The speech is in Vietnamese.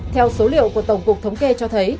theo số liệu của tổng cục thống kê cho thấy